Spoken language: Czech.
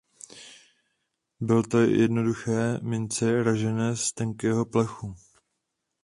Byly to jednoduché mince ražené z tenkého plechu.